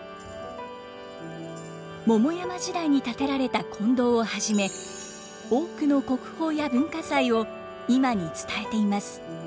桃山時代に建てられた金堂をはじめ多くの国宝や文化財を今に伝えています。